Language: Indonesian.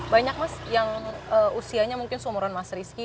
banyak mas yang usianya mungkin seumuran mas rizky